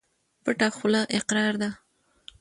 پټه خوله اقرار ده.